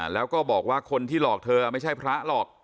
แล้วก็บอกว่าคนที่หลอกเธอไม่ใช่พระหรอก